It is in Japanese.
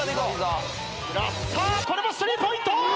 さあこれもスリーポイント！